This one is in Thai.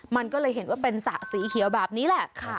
มันก็เลยเห็นว่าเป็นสระสีเขียวแบบนี้แหละ